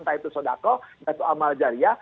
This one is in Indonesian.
entah itu sodako entah itu amal jariah